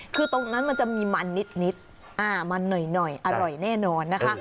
คือตรงนั้นมันจะมีมันนิดมันหน่อยอร่อยแน่นอนนะคะ